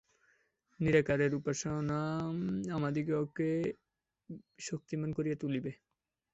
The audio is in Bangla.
নিরাকারের উপাসনা আমাদিগকে শক্তিমান করিয়া তুলিবে।